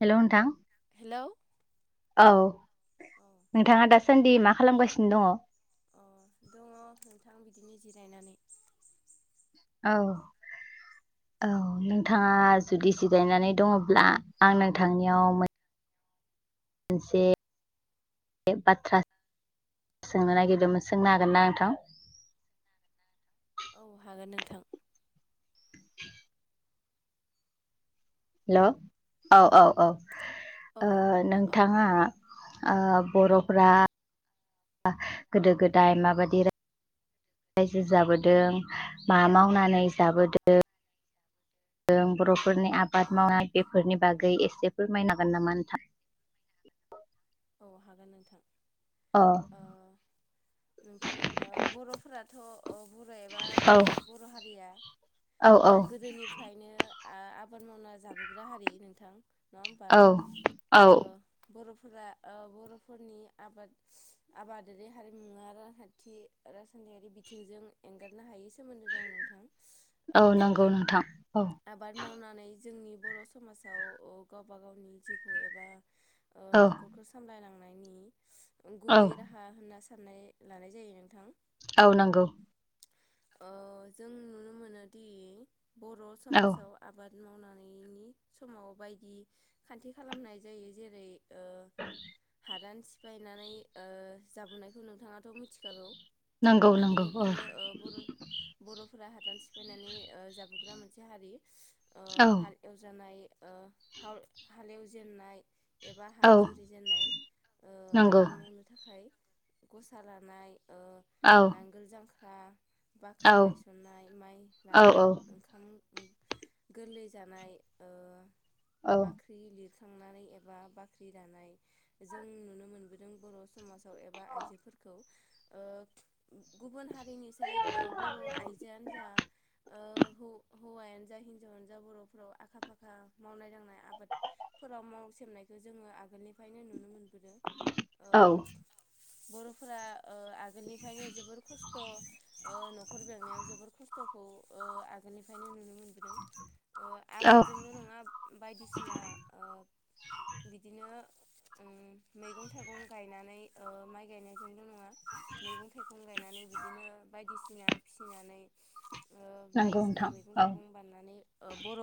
[inaudible] Hello नोंथां hello औ औ नोंथाङा दासान्दि मा खालामगासिनो दङ? अ दङ नोंथां बिदिनो जिरायनानै औ औ नोंथाङा जुदि जिरायनानै दङब्ला आं नोंथांनियाव मोन मोनसे बाथ्रा सोंनो नागिरदोंमोन सोंनो हागोन ना नोंथां? औ हागोन नोंथां। हेलौ औ औ औ औ ओ औ नोंथाङा ओ बरफोरा गोदो गोदाय माबादि रायजो जाबोदों मा मावनानै जाबोदों दों बरफ फोरनि औ आबाद मावनाय बेफोरनि बागै एसे जे फोरमायनो हांगोन नामा नोंथां? औ हागोन नोंथां। अ नोंथां ओ बरफोरा थ अ बर एबा औ ओ बर हारिया औ औ गोदोनिफ्रायनो ओ आबाद मावना जाबोग्रा हारि नोंथां नङा होमबा औ औ ओ बरफ फुरा ओ बरफोरनि आबाद आबादारि हारिमुआ रांखान्थि राजखान्थियारि सोमोन्दो दं नोंथां ओ औ नंगौ नोंथां औ आबाद मावनानै जोंनि बर समाजाव अ गावबा गावनि जिउखौ एबा ओ औ नख सामलायलांनायनि औ गुबै राहा होनना सान साननाय लानाय जायो नोंथां औ नंगौ ओ जों नुनो मोनोदि बर' औ समाजाव आबाद मावनानै समाव बायदि खान्थि खालामनाय जायो जेरै ओ [inaudible] हादान सिफायनानै ओ जाबोनायखौ नोंथाङाथ' मिथिखागौ नंगौ नंगौ औ आगोलनिफ्रायनो ओ बर' बर' फ फोरा हादान सि फैनानै ओ जाब ग्रा मोनसे हारि ओ औ हाल एवजानाय ओ हाल हालेवजेननाय एबा हाल औ जुर रिजेननाय ओ नंगौ आबाद मावनो थाखाय गसा लानाय ओ औ नांगोल जां औ बाख्रि गायसननाय माइ औ लानाय ओंखाम गोरलै जानाय ओ औ बाख्रि लिर थांनानै एबा बाख्रि दानाय जों नुनो मोनबोदों बर' समाज खौ एबा आइजोफोरखौ ओ गुबुन हा हारिनिसाय ओ बर' आइजोआनो जा ओ हौ-हौवायानो जा हिन्जावानो जा बर'फोराव आखा फाखा मावनाय दांनाय आबादफोराव माव सोमनायखौ जोङो आ गोलनि बेफायनो नुनो मोनबोदों ओ औ बर'फोरा ओ आगोलनिफायनो जोबोर खस्थ' ओ न'खर बेंनायाव जोबोर खस्थ' खौ ओ आगोलनिफायनो नुनो नुनो मोनबोदों ओ औ आबादजोंल' नङा बायदिसिना ओ बिदिनो ओ मैगं थाइगं गायनानै ओ माइ गायनायजों ल नङा मैगं थाइगं गायनानै बिदिनो बाय बिदा ना फिसिनानै ओ नंगौ बायदिसिना नोंथां मैगं औ थाइगं बाननानै ओ बर'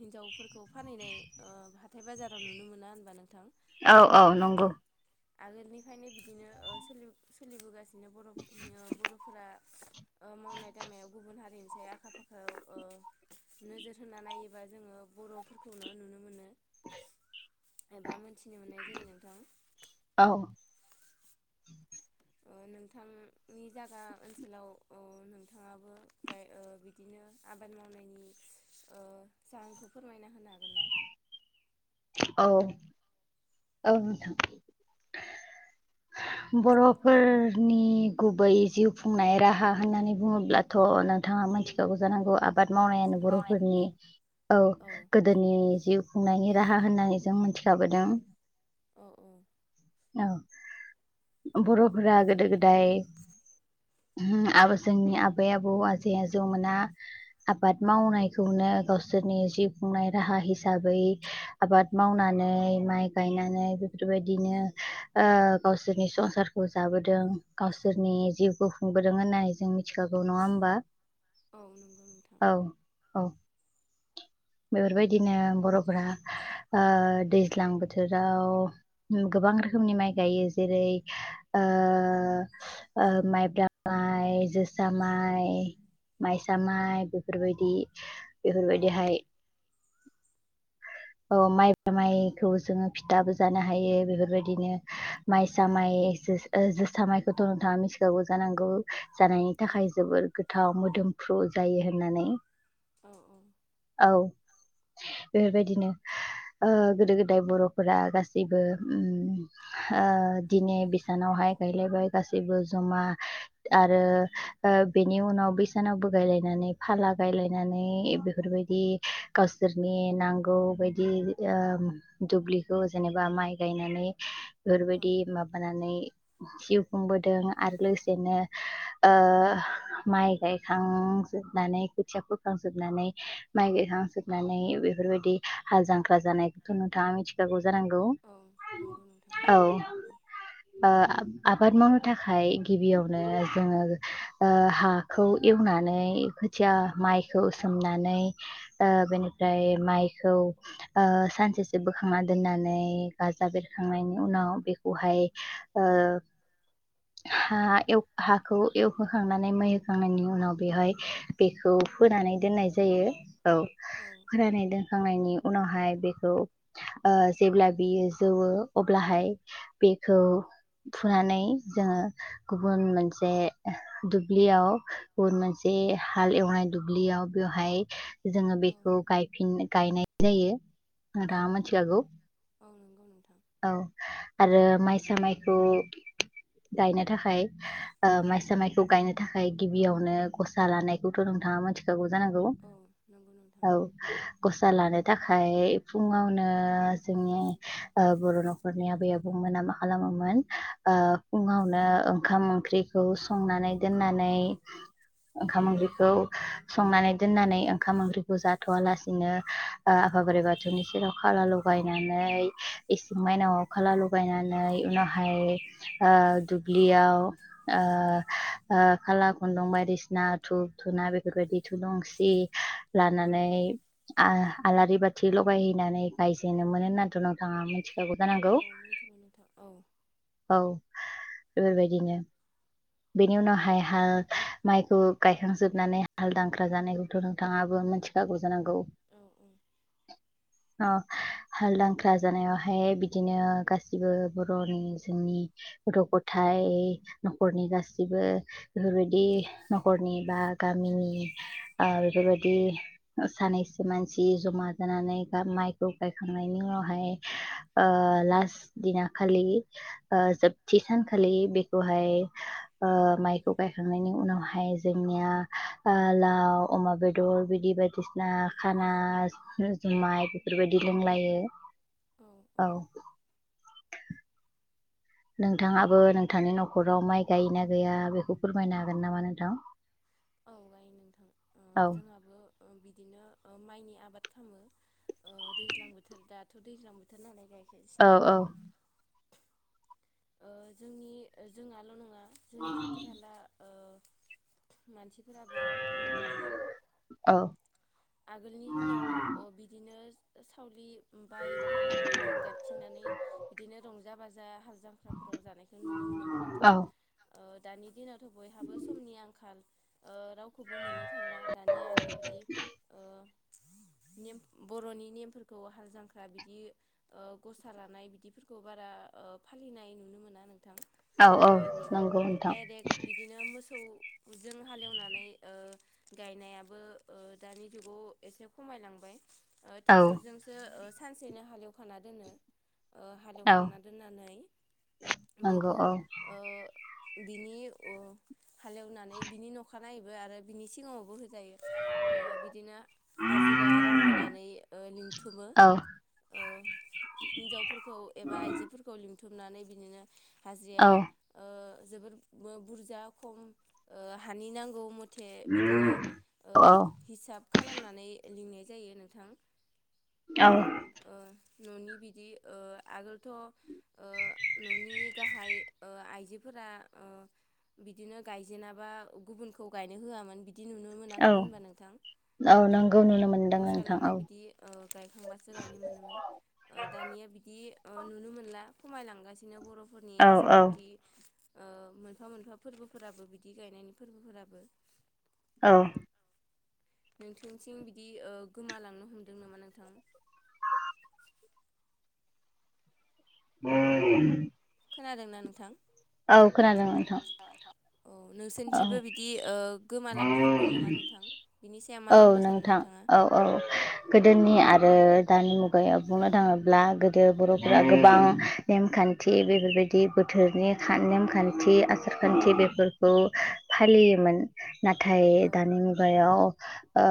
हिजावफोर खौ फानहैनाय ओ हााथाय बाजाराव नुनो मोना होनबा नोंथां। औ -औ ओ नंगौ। आगोलनिफ्रायनो बिदिनो ओ सोलि सोलिबोगासिनो। बिदिनो बर' बर'फोरा ओ मावनाय दांनायाव गुबुन हारिनि साय आखा फाखा। नोजोर होना नायोबा जोङो बर' फोरखौनो नुनो मोनो। मिथिनो मोननाय जायो नोंथां। औ ओ नोंथांनि जागा ओनसोलाव नोंथाङाबो बिदिनो आबाद मावनायनि ओ जाहोनखौ फोरमायना होनो हागोन ना? औ औ नोंथां बर' फोरनि गुबै जिउ खुंनाय राहा होननानै बुङोब्लाथ' नोंथाङा मोनथिखागौ जानांगौ। आबाद मावनायानो बर फोरनि औ गोदोनि जिउ खुंनायनि राहा होननानै जों मोनथिखाबोदों। औ -औ औ बर'फोरा गोदो गोदाय आब जोंनि आबै आबौ आजै आजौ मोना आबाद मावनायखौनो गावसोरनि जिउ खुंनाय राहा हिसाबै आबाद मावनानै माइ गायनानै बेफोरबायदिनो ओ गावसोरनि संसारखौ जाबोदों गावसोरनि जिउखौ खुंबोदों होननानै जों मिथि मिथिखागौ नङा होमबा औ नंगौ नोंथां औ- औ। बेफोरबायदिनो बर'फोरा ओ दैज्लां बोथोराव गोबां रोखोमनि माइ गायो जेरै ओ -ओ माइब्रा माइ जोसा माइ माइसा माइ बेफोरबायदि। औ बेफोरबायदिहाय औ माइब्रा माइखौ जोङो फिथाबो जानो हायो बेफोरबायदिनो औ माइसा माइ नंगौ जो ओ जोसा माय थ नोंथाङा मिथिखाबौ जानांगौ। जानायनि औ थाखाय जोबोर गोथाव मो दोमफ्रु जायो होननानै औ- औ औ बेफोरबायदिनो ओ गोदो -गोदाय बर' फोरा गासैबो उम ओ दिनै बिसानावहाय गायलायबाय गासैबो जमा आरो ओ बेनि उनाव बैसानावबो गायलायनानै फाला गायलायनानै बेफोरबायदि गावसोरनि नांगौ बायदि ओ दुब्लिखौ जेनेबा माइ गायनानै बेफोरबायदि माबानानै जिउ खुंबोदों आरो लोगोसेनो ओ माइ गायखांजोबनानै खोथिया फोखांजोबनानै माइ गायखांजोब नानै बेफोरबायदि हाल जांख्रा जानायखौ नोंथाङा मिथिखागौ जानांगौ नंगौ नोंथां औ। ओ आबाद मावनो थाखाय गिबियावनो जोङो ओ हाखौ एवनानै खोथिया माइखौ सोमनानै ओ बेनिफ्राय माइखौ ओ सानसेसो बोखांना दोननानै गाजा बेरखांनायनि उनाव बेखौहाय ओ हा एव हाखौ एवहोखांनानै मै होखांनायनि उनाव बेवहाय बेखौ फानै दोननाय जायो औ फरायनाय दोनखांनायनि उनावहाय बेखौ ओ जेब्ला बेयो जौवो अब्लाहाय बेखौ फुनानै जोङो गुबुन मोनसे दुब्लियाव गुबुन मोनसे हाल एवनाय दुब्लियाव बेवहाय जोङो बे खौ गायफिन गायनाय जायो। दा मिथिखागौ औ नंगौ नोंथां औ आरो माय मसा माइखौ गायनो थाखाय माइसा माइखौ गायनो थाखाय गिबियावनो गसा लानायखौथ नोंथाङा मिथिखागौ जानांगौ औ नंगौ नोंथां। औ गसा लानो थाखाय फुङावनो जोंनि ओ बर नखरनि आबै आबौमोना मा खालामोमोन ओ फुङावनो ओंखाम ओंख्रिखौ संनानै दोननानै औ ओंखाम ओंख्रिखौ संनानै दोननानै ओंखाम ओंख्रि जाथ आलासिनो ओ आफा बोराइ बाथौनि सेराव खाला लगायनानै इसिं माइनावाव खाला लगायनानै उनावहाय माइनावखौ ओ दुब्लियाव खाला खुन्दुं बायदिसिना धुप धुना बेफोरबायदि थुलुंसि लानानै आ आलारि बाथि लगायहैनानै गायजेनो मोनो होन्थ नोंथाङा मि खाखौ जानांगौ औ मिथिगौ नोंथां औ औ बेफोरबायदिनो बेनि उनावहाय हाल माइखौ गायखांजोबनानै हाल दांख्रा जानायखौथ नोंथाङा बो मोनथिखागौ जानांगौ औ औ अ हालदांख्रा जानायावहाय बिदिनो गासिबो बरनि जोंनि गथ गथाय नखरनि गाैबो बेफोरबायदि नखरनि बा गामिनि ओ बेफोरबायदि दि सानैसो मानसि जमा जानानै माइखौ गायखांनायनि उनावहाय लास दिना खालि जोबथि सानखालि बेखौहाय माइखौ गायखांनायनि उनावहाय जोंनिया लाव अमा बेद दर बिदि बायदिसिना खाना जुमाय बेफोरबायदि लोंलायो औ नोंथाङाबो नोंथांनि नखराव माइ गायोना गैया बेखौ फोरमायनो हागोन नामा नोंथां? औ गायो नोंथां ओ औ जोंहाबो ओ बिदिनो ओ माइनि आबाद खालामो ओ दैज्लां बोथोर दाथ दैज्लां बोथोर नालाय गाय औ गासिनो औ नोंथां। ओ जोंनि जोंङाल नङा जोंनि खाथि खाला ओ मानसिफोराबो ओ गायो औ आगोलनि दिनाव बिदिनो सावलि ओम बाय बाहागि बिदिनो गायथिंनानै बिदिनो रंजा बाजा हाल जां फोराव जानायखौ नुनो मोनोमोन औ नोंथां। दानि दिनाव बयहाबो समनि आंखाल ओ रावखौबो मोननो थांला दानिया आरो बिदिओ नेम बर'नि नेमफोरखौ हाल जांख्रा बिदि ओ गसा लानाय बिदिफोरखौ बारा ओ फालि। नाय नुनो मोना नों। औ औ नंगौ नोंथां। जों हालेवनानै ओ गायनायाबो ओ दानि जुगाव एसे खमायलांबाय। ओ औ टेक्टर जोंसो ओ सानसेनो हालेवखाना दोनो। ओ औ हालेवखांना दोननानै। नंगौ बेखौ औ ओ बिनि ओ हालेवनानै बिनि नखानायैबो आरो बिनि सिगाङावबो हो जायो ओ बिदिनो हाजिरा रां होनानै ओ लिंथुमो औ ओ हिनजावफोरखौ एबा आइजोफोरखौ लिं थुमनानै बिनिनो औ हाजिया ओ जोबोर बो बुरजा खम ओ हानि नांगौ थे बिदिनो ओ हिसाब खालामनानै लिंनाय जायो नोंथां। औ। ओ न'नि बिदि ओ आगोलथ' ओ न'नि गाहाय ओ आइजोफोरा ओ बिदिनो गायजेेनाबा गुबुनखौ गायनो होआमोन बि दि नुनो औ मोनाखैमोन होनबा नोंथां औ नंगौ नुनो मोनदों गसा नोंथां लाना औ बिदि ओ गायखांबा गायनो मोनोमोन ओ दानिया बिदि ओ नुनो मोनला खमायलांगासिनो बर' फोरनि औ आसार खान्थि औ ओ मोनफा मोनफा फोर्बोफोराबो बिदि गायनायनि फोर्बोफोराबो। औ। नोंथोंथिं बिदि ओ गोमालांनो हमदों नामा नोंथां? [unintelligible] खोनादोंना नोंथां? औ खोनादों नोंथां। औ औ नोंसोरनिथिबो बिदि ओ गोमालांनो हमदों नामा नोंथां? बिनि सायाव मा औ बुंनो सानो नोंथां नोंथाङा? ओ दानि मुगायाव बुंनो थाङोब्ला गोदो बर'फोरा गोबां नेमखान्थि बेफोरबायदि बोथोरनि खा नेमखान्थि आसार खान्थि बेफोर खौ फालियोमोन। नाथाय औ दानि मुगायाव। ओ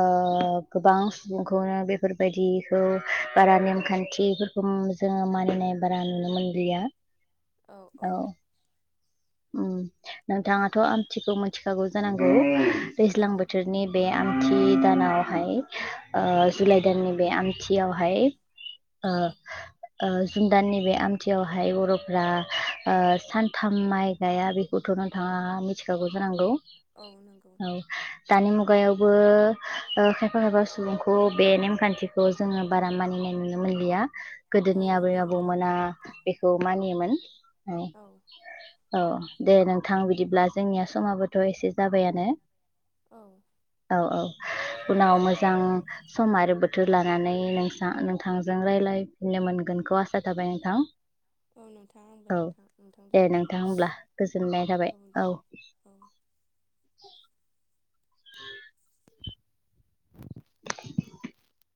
गोबां सुबुंखौनो बेफोरबायदिखौ बारा नेमखान्थि फोरखौ जोङो मानिनाय बारा नुनो मोनलिया। औ। उम नोंथाङाथ' आमथिखौ मिथिखागौ जानांगौ? औ दैज्लां बोथोरनि बे आमथि दानावहाय ओ जुलाइ दाननि बे आमथियावहाय। ओ औ ओ जुनदाननि बे आमथियावहाय बर'फोरा ओ सानथाम माइ जाया बेखौथ' नोंथाङा मिथिखागौ जा नांगौ? औ नंगौ दानि मुगायावबो ओ खायफा खायफा सुबुंखौ बे नेमखान्थिखौ जोङो बारा मानिनाय नुनो मोनलिया औ गोदोनि आबै नंगौ नोंथां आबौमोना बेखौ मानियोमोन औ औ दे नोंथां बिदिब्ला जोंनिया समाबोथ एसे जाबायानो औ औ औ उनाव मोजां सम आरो बोथोर लानानै नों नोंथांजों रायज्लायफिननो मोनगोनखौ आसा थाबाय नोंथां औ नोंथां आंबो नोंथां नोंथांजों हब्ला गोजोननाय थाबाय औ औ [inaudible] [inaudible]